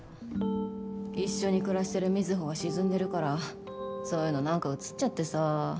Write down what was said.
一緒に暮らしてる瑞穂が沈んでるからそういうのなんかうつっちゃってさ。